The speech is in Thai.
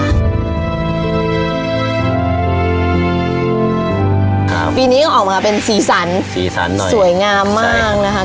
ครับปีนี้ออกมาเป็นสีสันสวยงามมากนะคะสีสันหน่อยใช่